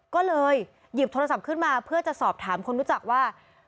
ก็เลยหยิบโทรศัพท์ขึ้นมาเพื่อจะสอบถามคนรู้จักว่า